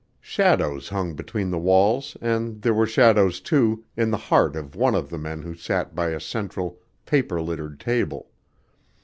Shadows hung between the walls and there were shadows, too, in the heart of one of the men who sat by a central, paper littered table.